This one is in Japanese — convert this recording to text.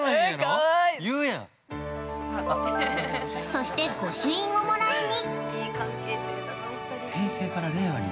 ◆そして、ご朱印をもらいに。